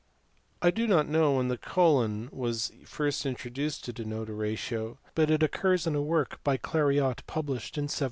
I do not know when the colon (or symbol :) was first introduced to denote a ratio, but it occurs in a work by Clairaut published in 1760.